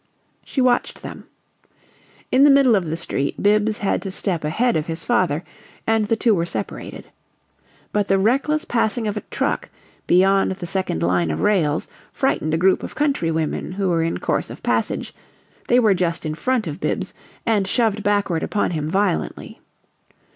She watched them. In the middle of the street Bibbs had to step ahead of his father, and the two were separated. But the reckless passing of a truck, beyond the second line of rails, frightened a group of country women who were in course of passage; they were just in front of Bibbs, and shoved backward upon him violently.